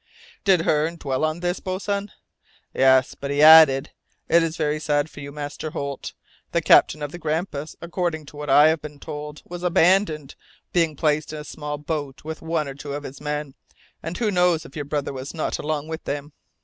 '" "Did Hearne dwell on this, boatswain?" "Yes, but he added: 'It is very sad for you, Master Holt! The captain of the Grampus, according to what I have been told, was abandoned, being placed in a small boat with one or two of his men and who knows if your brother was not along with him?'"